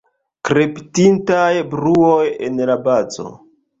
Krepitantaj bruoj en la bazo.